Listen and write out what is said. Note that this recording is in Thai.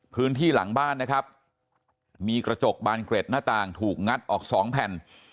พื้นที่หลังบ้านนะครับมีกระจกบานเกร็ดหน้าต่างถูกงัดออกสองแผ่น